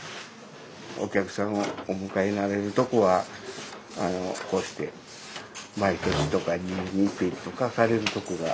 お客さんをお迎えになられるとこはこうして毎年とか２年にいっぺんとかされるとこが。